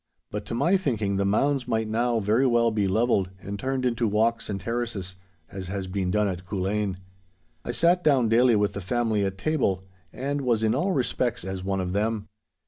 But to my thinking the mounds might now very well be levelled and turned into walks and terraces, as has been done at Culzean. I sat down daily with the family at table, and was in all respects as one of them.